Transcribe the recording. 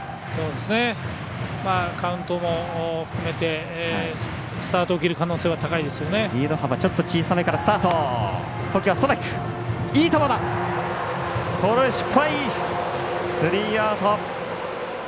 カウントも含めてスタートを切る可能性は高いですよね。